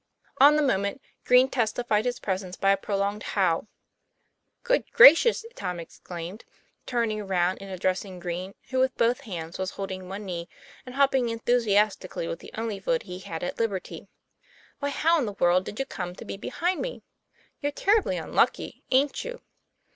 On the moment, Green testified his presence by a prolonged howl. ;' Good gracious!" Tom exclaimed, turning around and addressing Green, who with both hands was hold ing one knee, and hopping enthusiastically with the only foot he had at liberty :" Why how in the world did you come to be behind me? You're terribly unlucky aint you?"